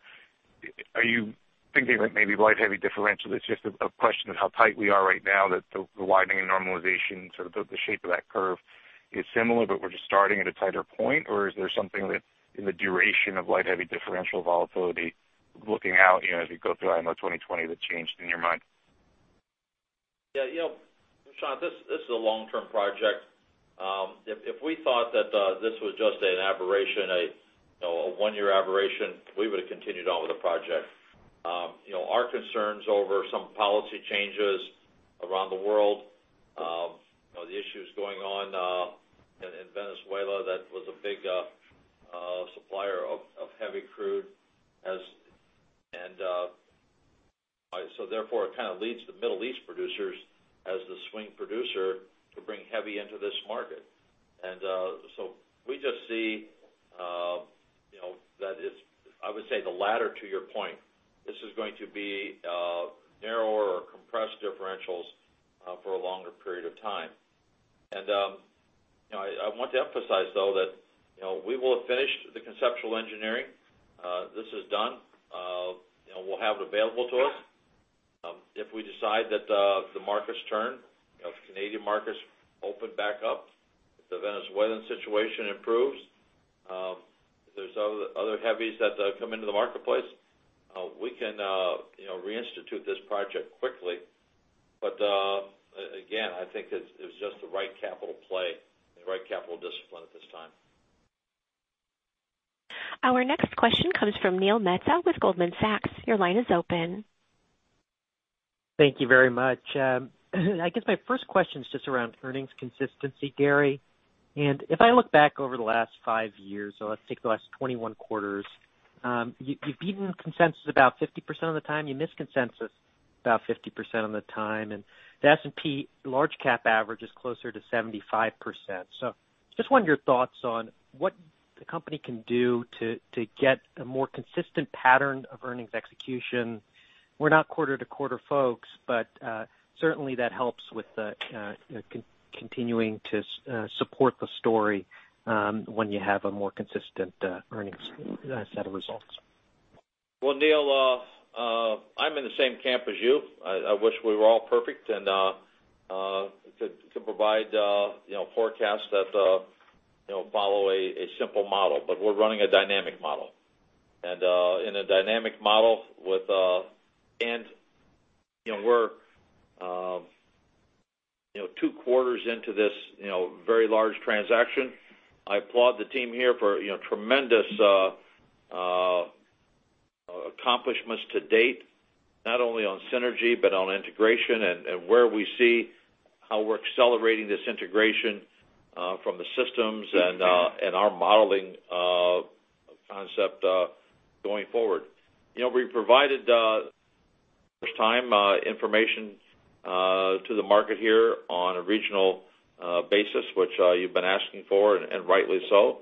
are you thinking that maybe light, heavy differential is just a question of how tight we are right now, that the widening and normalization, sort of the shape of that curve is similar, but we're just starting at a tighter point? Or is there something that, in the duration of light, heavy differential volatility, looking out as we go through IMO 2020, that changed in your mind? Yeah. Prashant, this is a long-term project. If we thought that this was just an aberration, a one-year aberration, we would've continued on with the project. Our concerns over some policy changes around the world, the issues going on in Venezuela, that was a big supplier of heavy crude. Therefore, it kind of leads to Middle East producers as the swing producer to bring heavy into this market. We just see that it's-- I would say the latter to your point. This is going to be narrower or compressed differentials for a longer period of time. I want to emphasize, though, that we will have finished the conceptual engineering. This is done. We'll have it available to us. If we decide that the markets turn, if Canadian markets open back up, if the Venezuelan situation improves, if there's other heavies that come into the marketplace, we can reinstitute this project quickly. Again, I think it was just the right capital play and the right capital discipline at this time. Our next question comes from Neil Mehta with Goldman Sachs. Your line is open. Thank you very much. I guess my first question is just around earnings consistency, Gary. If I look back over the last five years, so let's take the last 21 quarters, you've beaten consensus about 50% of the time, you missed consensus about 50% of the time, and the S&P large cap average is closer to 75%. Just wonder your thoughts on what the company can do to get a more consistent pattern of earnings execution. We're not quarter-to-quarter folks, but certainly that helps with continuing to support the story when you have a more consistent earnings set of results. Well, Neil, I'm in the same camp as you. I wish we were all perfect and could provide forecasts that follow a simple model, we're running a dynamic model. In a dynamic model, we're two quarters into this very large transaction. I applaud the team here for tremendous accomplishments to date. Not only on synergy, but on integration, and where we see how we're accelerating this integration from the systems and our modeling concept going forward. We provided, first time, information to the market here on a regional basis, which you've been asking for, and rightly so.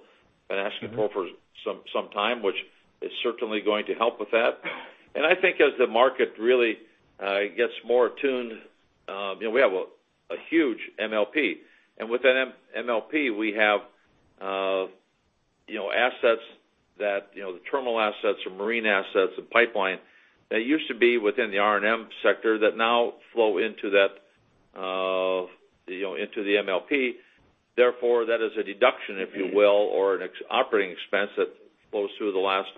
Been asking for some time, which is certainly going to help with that. I think as the market really gets more attuned, we have a huge MLP. With that MLP, we have assets that—the terminal assets or marine assets and pipeline that used to be within the R&M sector that now flow into the MLP. Therefore, that is a deduction, if you will, or an operating expense that flows through the last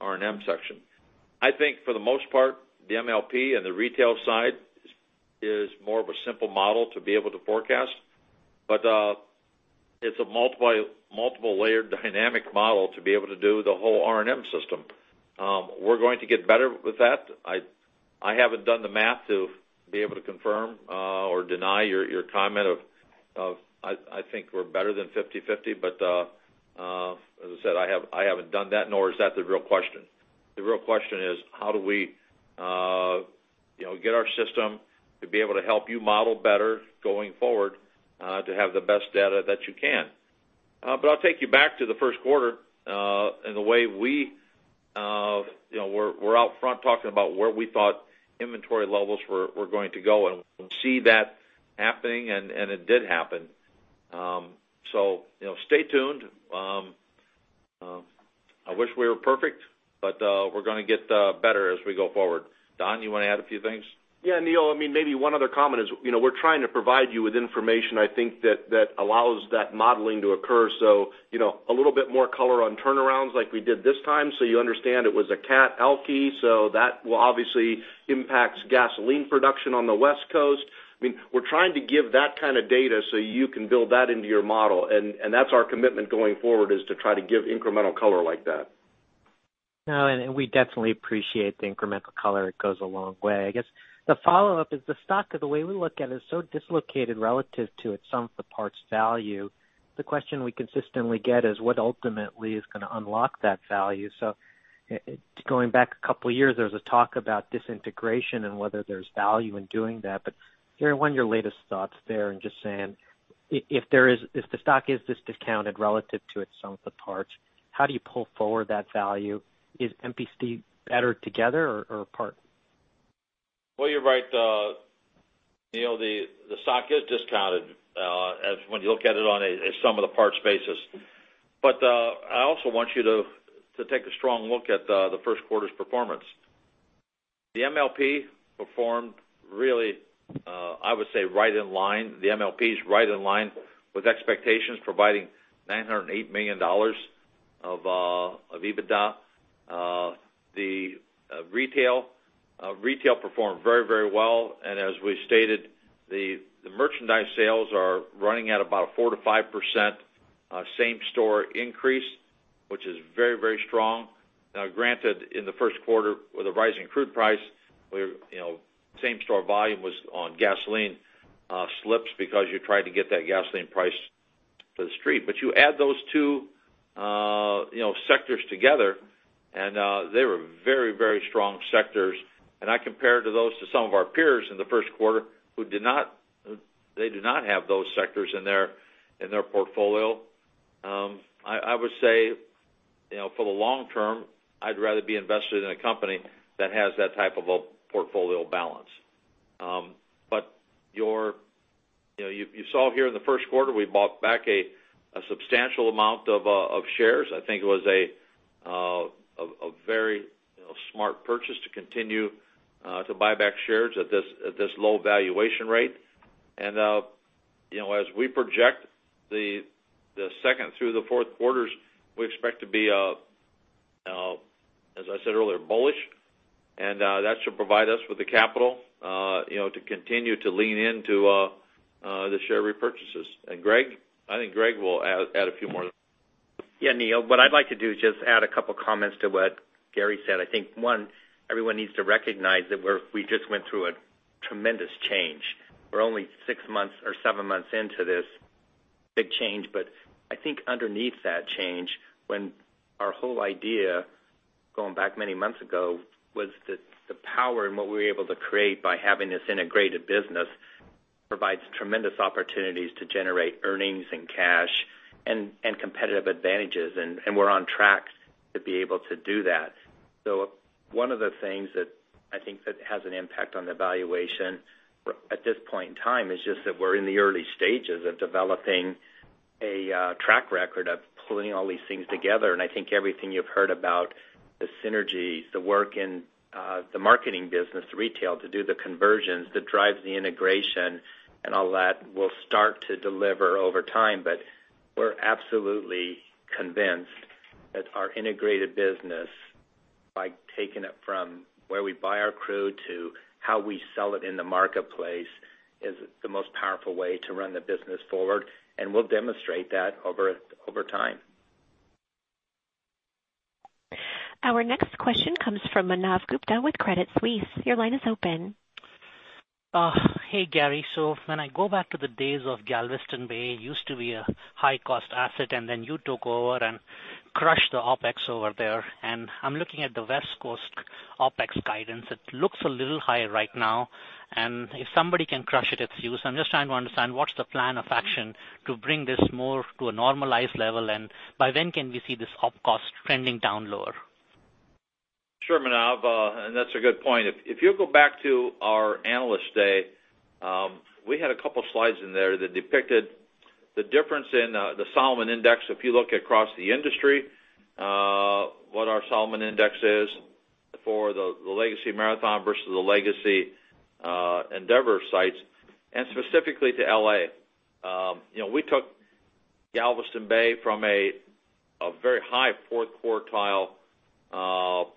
R&M section. I think for the most part, the MLP and the retail side is more of a simple model to be able to forecast. It's a multiple layered dynamic model to be able to do the whole R&M system. We're going to get better with that. I haven't done the math to be able to confirm or deny your comment of, I think we're better than 50/50, as I said, I haven't done that, nor is that the real question. The real question is how do we get our system to be able to help you model better going forward to have the best data that you can? I'll take you back to the first quarter, and the way we're out front talking about where we thought inventory levels were going to go, and we see that happening, and it did happen. Stay tuned. I wish we were perfect, we're going to get better as we go forward. Don, you want to add a few things? Yeah, Neil, maybe one other comment is we're trying to provide you with information, I think that allows that modeling to occur. A little bit more color on turnarounds like we did this time. You understand it was a cat alky, so that will obviously impact gasoline production on the West Coast. We're trying to give that kind of data so you can build that into your model. That's our commitment going forward, is to try to give incremental color like that. No, and we definitely appreciate the incremental color. It goes a long way. I guess the follow-up is the stock of the way we look at it is so dislocated relative to its sum of the parts value. The question we consistently get is what ultimately is going to unlock that value. Going back a couple of years, there was a talk about disintegration and whether there's value in doing that. Gary, what are your latest thoughts there in just saying, if the stock is this discounted relative to its sum of the parts, how do you pull forward that value? Is MPC better together or apart? Well, you're right Neil, the stock is discounted, as when you look at it on a sum of the parts basis. I also want you to take a strong look at the first quarter's performance. The MLP performed really, I would say right in line. The MLP's right in line with expectations, providing $908 million of EBITDA. The retail performed very well, and as we stated, the merchandise sales are running at about 4%-5% same store increase, which is very strong. Now, granted, in the first quarter with a rising crude price, same store volume was on gasoline slips because you tried to get that gasoline price to the street. You add those two sectors together, and they were very strong sectors, and I compare those to some of our peers in the first quarter who did not have those sectors in their portfolio. I would say, for the long term, I'd rather be invested in a company that has that type of a portfolio balance. You saw here in the first quarter, we bought back a substantial amount of shares. I think it was a very smart purchase to continue to buy back shares at this low valuation rate. As we project the second through the fourth quarters, we expect to be, as I said earlier, bullish, and that should provide us with the capital to continue to lean into the share repurchases. Greg, I think Greg will add a few more. Yeah, Neil, what I'd like to do is just add a couple of comments to what Gary said. I think, one, everyone needs to recognize that we just went through a tremendous change. We're only six months or seven months into this big change, but I think underneath that change, when our whole idea, going back many months ago, was that the power and what we were able to create by having this integrated business provides tremendous opportunities to generate earnings and cash and competitive advantages. We're on track to be able to do that. One of the things that I think has an impact on the valuation at this point in time is just that we're in the early stages of developing a track record of pulling all these things together. I think everything you've heard about the synergies, the work in the marketing business, retail, to do the conversions that drives the integration and all that will start to deliver over time. We're absolutely convinced that our integrated business, by taking it from where we buy our crude to how we sell it in the marketplace, is the most powerful way to run the business forward, and we'll demonstrate that over time. Our next question comes from Manav Gupta with Credit Suisse. Your line is open. Hey, Gary. When I go back to the days of Galveston Bay, it used to be a high-cost asset, and then you took over and crushed the OpEx over there. I'm looking at the West Coast OpEx guidance. It looks a little high right now, and if somebody can crush it's you. I'm just trying to understand what's the plan of action to bring this more to a normalized level, and by when can we see this Op cost trending down lower? Sure, Manav, and that's a good point. If you go back to our Analyst Day, we had a couple of slides in there that depicted the difference in the Solomon Index. If you look across the industry, what our Solomon Index is for the Legacy Marathon versus the Legacy Andeavor sites, and specifically to L.A. We took Galveston Bay from a very high fourth quartile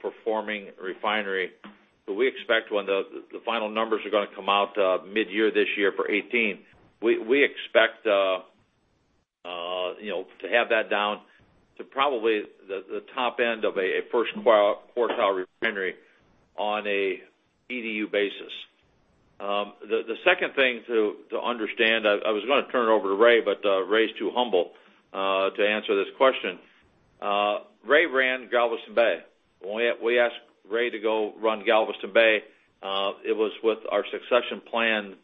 performing refinery, but we expect when the final numbers are going to come out mid-year this year for 2018, we expect to have that down to probably the top end of a first quartile refinery on an EDU basis. The second thing to understand, I was going to turn it over to Ray, but Ray's too humble to answer this question. Ray ran Galveston Bay. When we asked Ray to go run Galveston Bay, it was with our succession plan,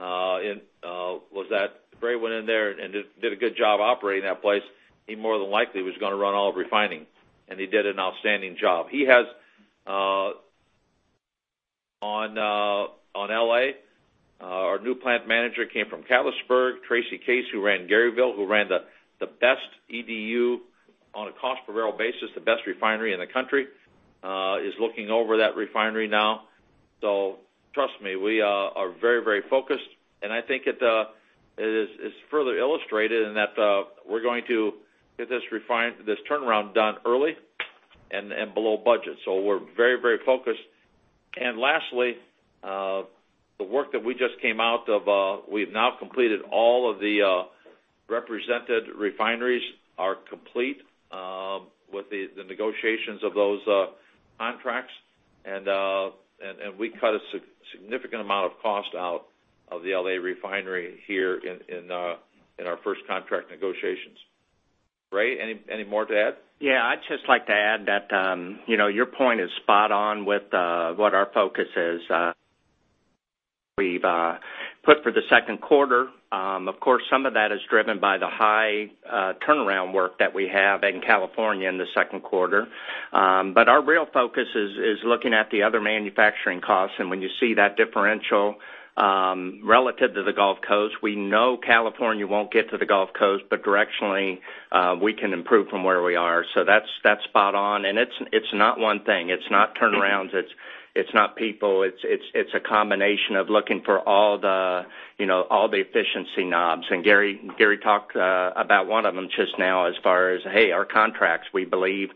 was that Ray went in there and did a good job operating that place, he more than likely was going to run all of refining, and he did an outstanding job. On L.A., our new plant manager came from Catlettsburg, Tracy Case, who ran Garyville, who ran the best EDU on a cost per barrel basis, the best refinery in the country, is looking over that refinery now. Trust me, we are very focused. I think it is further illustrated in that we're going to get this turnaround done early and below budget. We're very focused. Lastly, the work that we just came out of, we've now completed all of the represented refineries are complete with the negotiations of those contracts. We cut a significant amount of cost out of the L.A. refinery here in our first contract negotiations. Ray, any more to add? I'd just like to add that your point is spot on with what our focus is. We've put for the second quarter. Of course, some of that is driven by the high turnaround work that we have in California in the second quarter. Our real focus is looking at the other manufacturing costs. When you see that differential relative to the Gulf Coast, we know California won't get to the Gulf Coast, but directionally, we can improve from where we are. That's spot on. It's not one thing. It's not turnarounds, it's not people. It's a combination of looking for all the efficiency knobs. Gary talked about one of them just now as far as, hey, our contracts, we believe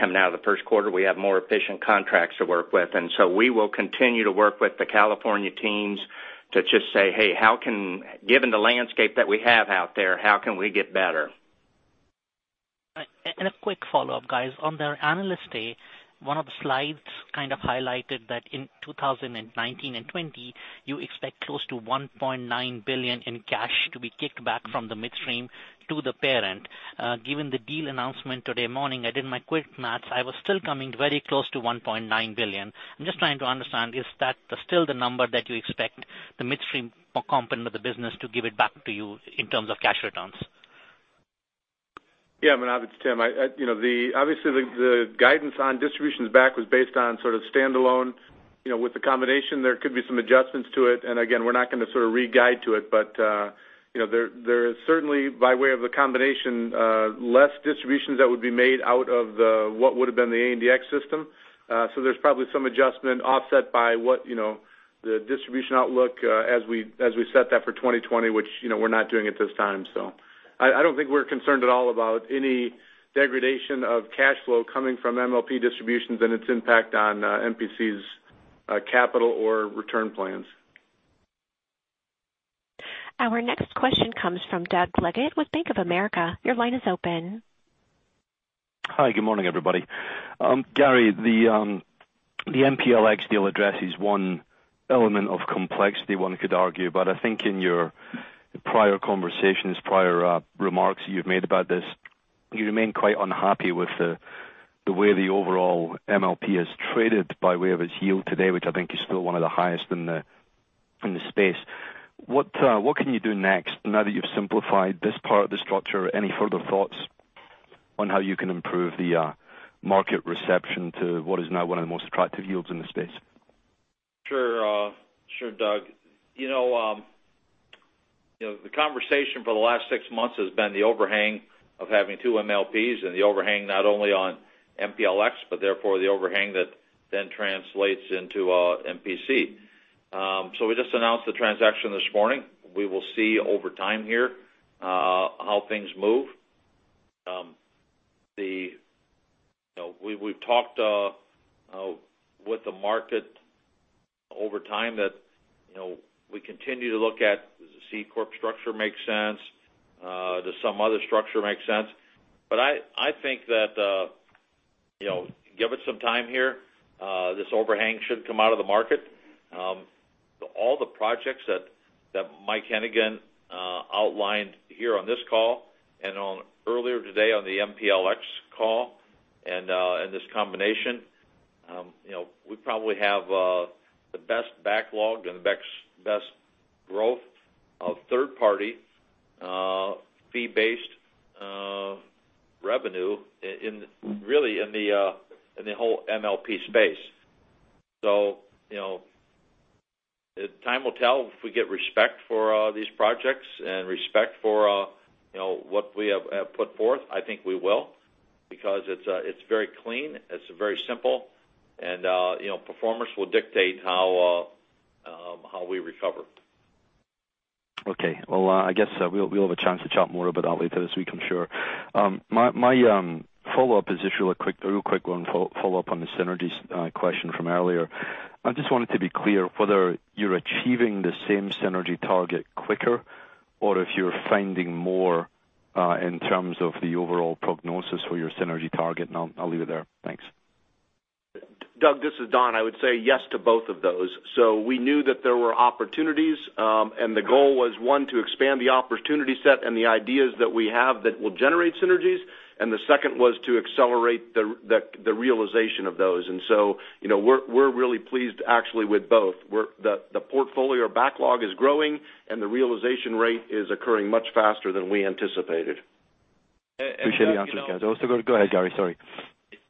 coming out of the first quarter, we have more efficient contracts to work with. We will continue to work with the California teams to just say, "Hey, given the landscape that we have out there, how can we get better? A quick follow-up, guys. On the Analyst Day, one of the slides kind of highlighted that in 2019 and 2020, you expect close to $1.9 billion in cash to be kicked back from the midstream to the parent. Given the deal announcement today morning, I did my quick maths, I was still coming very close to $1.9 billion. I'm just trying to understand, is that still the number that you expect the midstream component of the business to give it back to you in terms of cash returns? Yeah, Manav, it's Tim. Obviously, the guidance on distributions back was based on sort of standalone. With the combination, there could be some adjustments to it. Again, we're not going to sort of re-guide to it. There is certainly, by way of the combination, less distributions that would be made out of what would have been the ANDX system. There's probably some adjustment offset by what the distribution outlook as we set that for 2020, which we're not doing at this time. I don't think we're concerned at all about any degradation of cash flow coming from MLP distributions and its impact on MPC's capital or return plans. Our next question comes from Douglas Leggate with Bank of America. Your line is open. Hi, good morning, everybody. Gary, the MPLX deal addresses one element of complexity, one could argue, but I think in your prior conversations, prior remarks you've made about this, you remain quite unhappy with the way the overall MLP is traded by way of its yield today, which I think is still one of the highest in the space. What can you do next now that you've simplified this part of the structure? Any further thoughts on how you can improve the market reception to what is now one of the most attractive yields in the space? Sure, Doug. The conversation for the last six months has been the overhang of having two MLPs and the overhang not only on MPLX, but therefore the overhang that then translates into MPC. We just announced the transaction this morning. We will see over time here how things move. We've talked with the market over time that we continue to look at, does the C corp structure make sense? Does some other structure make sense? I think that give it some time here, this overhang should come out of the market. All the projects that Mike Hennigan outlined here on this call and earlier today on the MPLX call and this combination, we probably have the best backlog and best growth of third-party fee-based revenue really in the whole MLP space. Time will tell if we get respect for these projects and respect for what we have put forth. I think we will, because it's very clean, it's very simple, and performance will dictate how we recover. Okay. I guess we'll have a chance to chat more about that later this week, I'm sure. My follow-up is just a real quick one, follow up on the synergies question from earlier. I just wanted to be clear whether you're achieving the same synergy target quicker or if you're finding more in terms of the overall prognosis for your synergy target, and I'll leave it there. Thanks. Doug, this is Don. I would say yes to both of those. We knew that there were opportunities, and the goal was, one, to expand the opportunity set and the ideas that we have that will generate synergies, and the second was to accelerate the realization of those. We're really pleased actually with both. The portfolio or backlog is growing and the realization rate is occurring much faster than we anticipated. Appreciate the answers, guys. Go ahead, Gary. Sorry.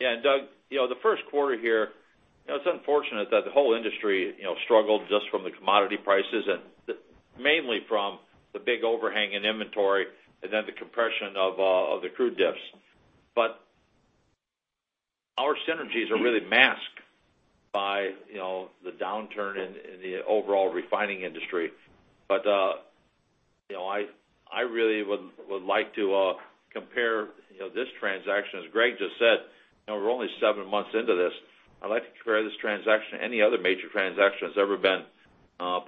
Doug, the first quarter here, it's unfortunate that the whole industry struggled just from the commodity prices and mainly from the big overhang in inventory and then the compression of the crude dips. Our synergies are really masked by the downturn in the overall refining industry. I really would like to compare this transaction, as Greg just said, we're only seven months into this. I'd like to compare this transaction to any other major transaction that's ever been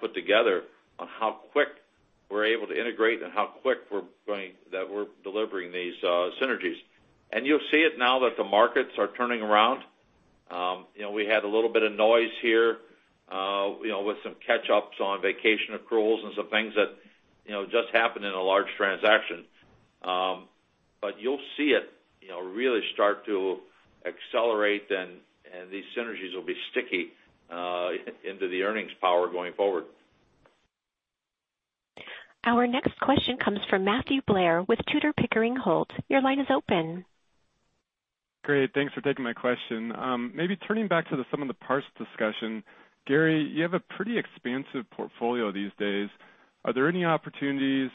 put together on how quick we're able to integrate and how quick that we're delivering these synergies. You'll see it now that the markets are turning around. We had a little bit of noise here with some catch-ups on vacation accruals and some things that just happen in a large transaction. You'll see it really start to accelerate and these synergies will be sticky into the earnings power going forward. Our next question comes from Matthew Blair with Tudor, Pickering Holt. Your line is open. Great. Thanks for taking my question. Turning back to some of the parts discussion, Gary, you have a pretty expansive portfolio these days. Are there any opportunities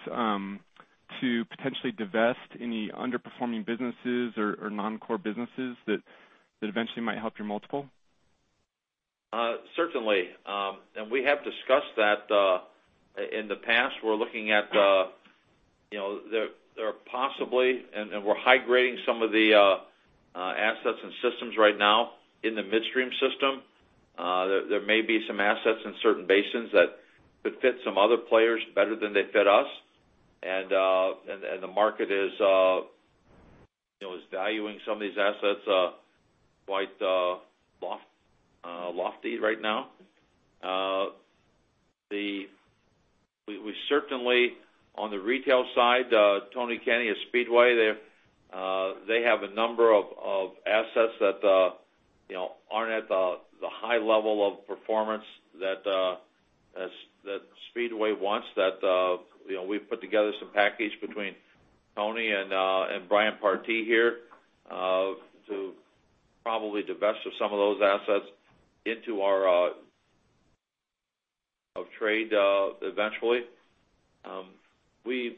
to potentially divest any underperforming businesses or non-core businesses that eventually might help your multiple? Certainly. We have discussed that in the past. There are possibly, and we're high-grading some of the assets and systems right now in the midstream system. There may be some assets in certain basins that could fit some other players better than they fit us, and the market is valuing some of these assets quite lofty right now. We certainly, on the retail side, Tony Kenney at Speedway, they have a number of assets that aren't at the high level of performance that Speedway wants that we've put together some package between Tony and Brian Partee here to probably divest of some of those assets into our trade eventually. We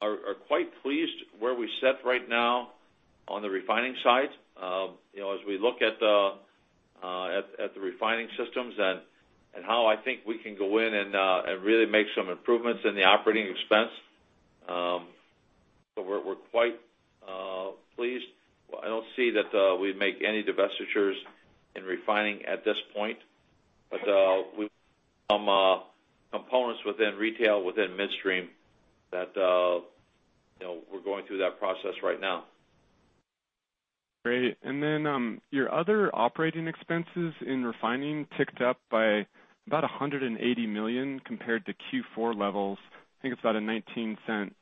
are quite pleased where we sit right now on the refining side. As we look at the refining systems and how I think we can go in and really make some improvements in the operating expense. We're quite pleased. I don't see that we'd make any divestitures in refining at this point. Some components within retail, within midstream that we're going through that process right now. Great. Then your other operating expenses in refining ticked up by about $180 million compared to Q4 levels. I think it's about a $0.19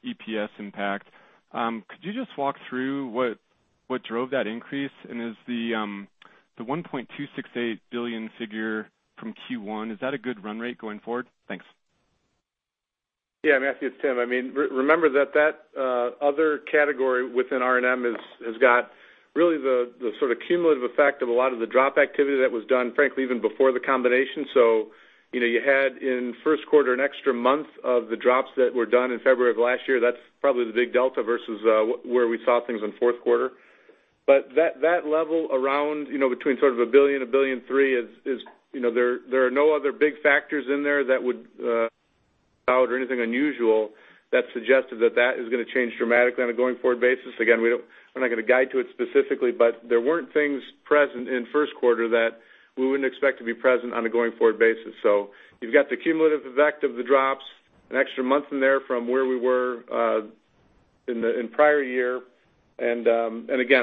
EPS impact. Could you just walk through what drove that increase? Is the $1.268 billion figure from Q1, is that a good run rate going forward? Thanks. Yeah, Matthew, it's Tim. Remember that other category within R&M has got really the sort of cumulative effect of a lot of the drop activity that was done, frankly, even before the combination. You had in first quarter an extra month of the drops that were done in February of last year. That's probably the big delta versus where we saw things in fourth quarter. That level around between sort of $1 billion, $1.3 billion. There are no other big factors in there that would or anything unusual that suggested that is going to change dramatically on a going forward basis. Again, we're not going to guide to it specifically, but there weren't things present in first quarter that we wouldn't expect to be present on a going forward basis. You've got the cumulative effect of the drops, an extra month in there from where we were in prior year. Again,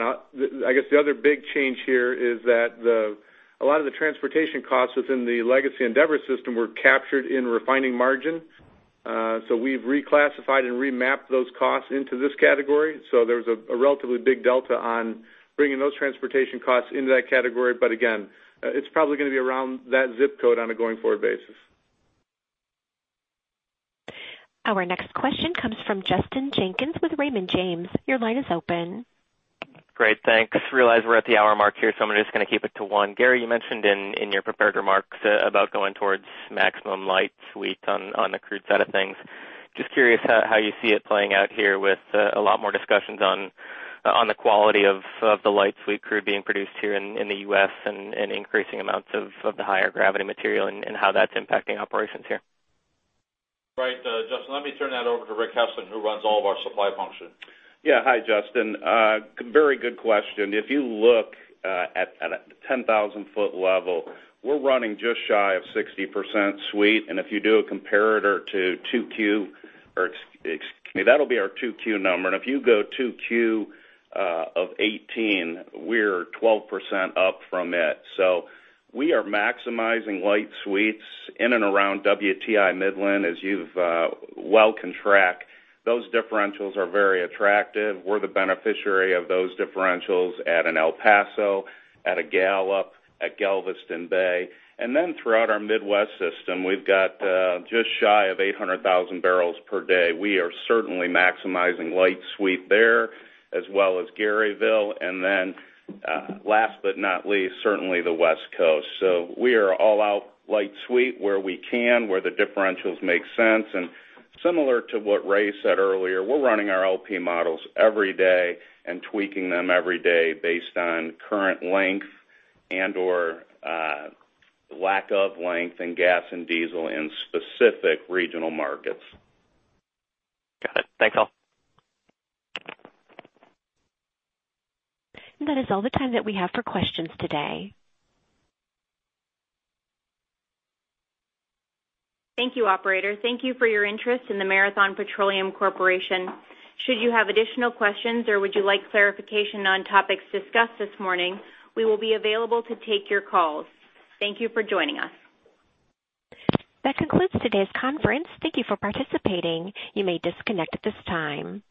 I guess the other big change here is that a lot of the transportation costs within the Legacy Andeavor system were captured in refining margin. We've reclassified and remapped those costs into this category. Again, it's probably going to be around that ZIP code on a going forward basis. Our next question comes from Justin Jenkins with Raymond James. Your line is open. Great. Thanks. Realize we're at the hour mark here. I'm just going to keep it to one. Gary, you mentioned in your prepared remarks about going towards maximum light sweet on the crude side of things. Just curious how you see it playing out here with a lot more discussions on the quality of the light sweet crude being produced here in the U.S. and increasing amounts of the higher gravity material and how that's impacting operations here. Right. Justin, let me turn that over to Rick Hessling, who runs all of our supply function. Yeah. Hi, Justin. Very good question. If you look at a 10,000-foot level, we're running just shy of 60% sweet. If you do a comparator to 2Q, Excuse me, that'll be our 2Q number. If you go 2Q of 2018, we're 12% up from it. We are maximizing light sweets in and around WTI Midland, as you've well can track. Those differentials are very attractive. We're the beneficiary of those differentials at an El Paso, at a Gallup, at Galveston Bay. Then throughout our Midwest system, we've got just shy of 800,000 barrels per day. We are certainly maximizing light sweet there, as well as Garyville, and then last but not least, certainly the West Coast. We are all out light sweet where we can, where the differentials make sense. Similar to what Ray said earlier, we're running our LP models every day and tweaking them every day based on current length and/or lack of length in gas and diesel in specific regional markets. Got it. Thanks all. That is all the time that we have for questions today. Thank you, operator. Thank you for your interest in the Marathon Petroleum Corporation. Should you have additional questions or would you like clarification on topics discussed this morning, we will be available to take your calls. Thank you for joining us. That concludes today's conference. Thank you for participating. You may disconnect at this time.